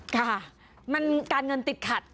ค่ะมันการเงินติดขัด